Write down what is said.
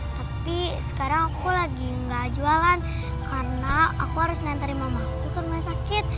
tapi sekarang aku lagi gak jualan karena aku harus nenterin mamaku ke rumah sakit